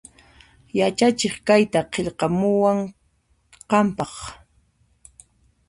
Yachachiq kayta qillqamuwan qanpaq